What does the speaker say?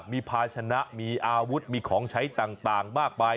มีภาชนะมีอาวุธมีของใช้ต่างมากมาย